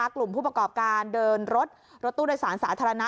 กลุ่มผู้ประกอบการเดินรถรถตู้โดยสารสาธารณะ